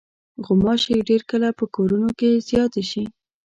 غوماشې ډېر کله په کورونو کې زیاتې شي.